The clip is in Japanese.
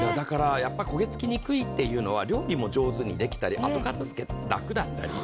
焦げ付きにくいというのは料理も上手にできたり、あと片付けも楽だったり。